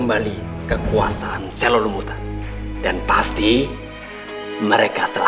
mohon ampun tentu tat